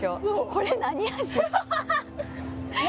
これ何味？